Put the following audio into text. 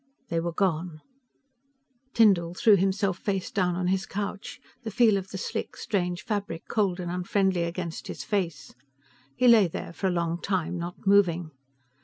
They were gone. Tyndall threw himself face down on his couch, the feel of the slick, strange fabric cold and unfriendly against his face. He lay there for a long time, not moving.